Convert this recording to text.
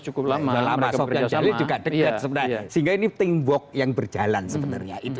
cukup lama sofyan jalil juga dekat sebenarnya sehingga ini thingwork yang berjalan sebenarnya itu